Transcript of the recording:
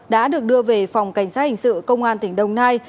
đã được đưa về phòng cảnh sát hình sự công an tỉnh đồng nai